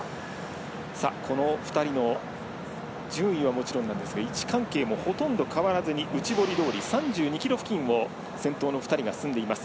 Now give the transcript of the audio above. この２人の順位はもちろんですが位置関係もほとんと変わらずに内堀通り、３２ｋｍ付近を先頭の２人が進んでいます。